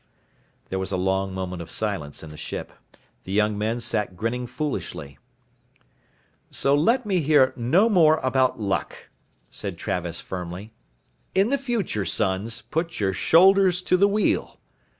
There was a long moment of silence in the ship. The young men sat grinning foolishly. "So let me hear no more about luck," said Travis firmly. "In the future, sons, put your shoulders to the wheel...."